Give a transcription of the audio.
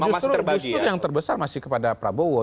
justru yang terbesar masih kepada prabowo